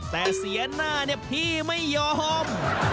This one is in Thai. แต่เสียหน้าเนี่ยพี่ไม่ยอม